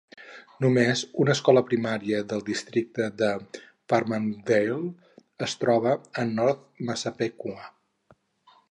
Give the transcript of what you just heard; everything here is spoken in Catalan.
Només una escola primària de districte de Farmingdale es troba a North Massapequa.